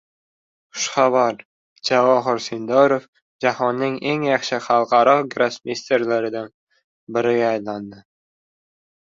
Xushxabar! Javohir Sindarov jahonning eng yosh xalqaro grossmeysteridan biriga aylandi